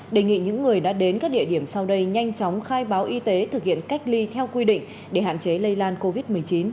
đề nghị những người đã đến các địa điểm sau đây nhanh chóng khai báo y tế thực hiện cách ly theo quy định để hạn chế lây lan covid một mươi chín